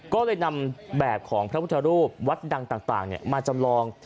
ก็เลยนำแบบของพระพุทธรูปวัดดังต่างมาจำลอง